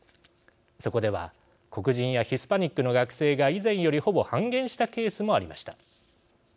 そこでは黒人やヒスパニックの学生が以前より、ほぼ半減したケースもありました。